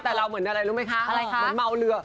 แต่เราเหมือนอะไรรู้ไหมคะเหมือนเมาเรือ